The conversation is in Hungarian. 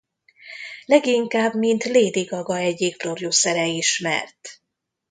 Leginkább mint Lady Gaga egyik producere ismert.